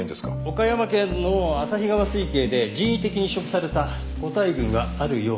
岡山県の旭川水系で人為的に移植された個体群はあるようなんですが。